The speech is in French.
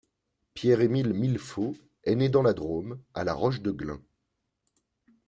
Pierre-Émile Millefaut est né dans la Drôme, à La Roche-de-Glun.